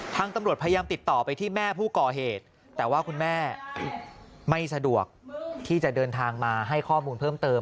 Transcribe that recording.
ตำรวจพยายามติดต่อไปที่แม่ผู้ก่อเหตุแต่ว่าคุณแม่ไม่สะดวกที่จะเดินทางมาให้ข้อมูลเพิ่มเติม